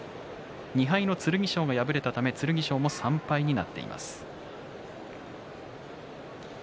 ２敗の剣翔が敗れたため剣翔も３敗になっています。